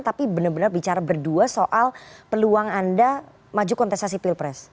tapi benar benar bicara berdua soal peluang anda maju kontestasi pilpres